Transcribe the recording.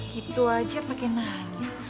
gitu aja pakai nangis